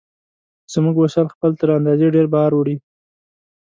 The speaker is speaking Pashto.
زموږ وسایل خپل تر اندازې ډېر بار وړي.